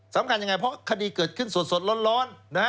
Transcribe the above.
สำคัญอย่างไรเพราะคดีเกิดขึ้นสดร้อน